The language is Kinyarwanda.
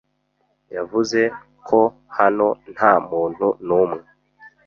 Yavuze ko hano nta muntu n'umwe.